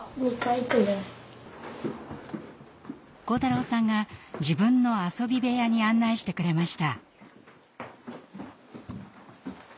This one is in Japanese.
晃太郎さんが自分の遊び部屋に案内してくれました。